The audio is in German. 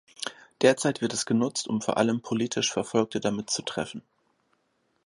Derzeit wird es genutzt, um vor allem politisch Verfolgte damit zu treffen.